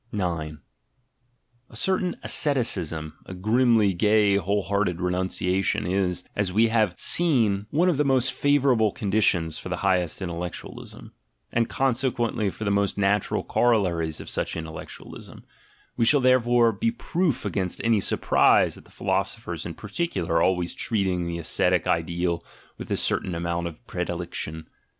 A certain asceticism, a grimly gay whole hearted renun ciation, is, as we have seen, one of the most favourable conditions for the highest intellectualism, and, conse quently, for the most natural corollaries of such intel lectualism: we shall therefore be proof against any sur prise at the philosophers in particular always treating the ascetic ideal with a certain amount of predilection.